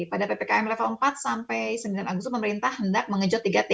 pada ppkm level empat sampai sembilan agustus pemerintah hendak mengejut tiga t